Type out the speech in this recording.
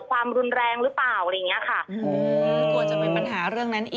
ความรุนแรงหรือเปล่าอะไรอย่างนี้ค่ะ